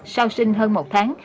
sau sinh hơn một tháng